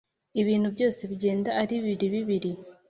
Ibintu byose bigenda ari bibiri bibiri,